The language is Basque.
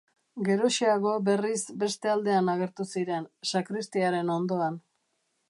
Geroxeago berriz beste aldean agertu ziren, sakristiaren ondoan.